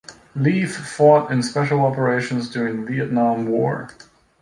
Leaf fought in special operations during the Vietnam War.